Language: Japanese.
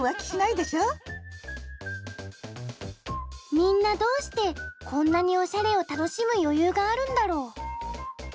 みんなどうしてこんなにオシャレを楽しむ余裕があるんだろう？